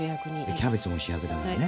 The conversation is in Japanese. キャベツも主役だからね。